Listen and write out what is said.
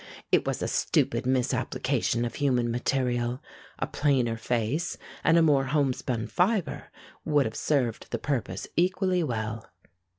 It was a stupid misapplication of human material. A plainer face and a more homespun fibre would have served the purpose equally well.